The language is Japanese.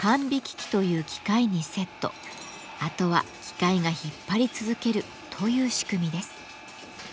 あとは機械が引っ張り続けるという仕組みです。